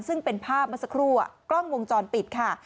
ซึ่งเป็นภาพเมื่อสักครู่กล้องวงจรปิดค่ะ